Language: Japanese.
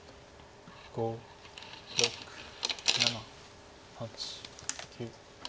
５６７８９。